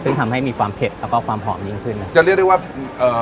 ซึ่งทำให้มีความเผ็ดแล้วก็ความหอมยิ่งขึ้นนะจะเรียกได้ว่าเอ่อ